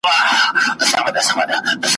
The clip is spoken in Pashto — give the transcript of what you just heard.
نیم وجود دي په زړو جامو کي پټ دی ,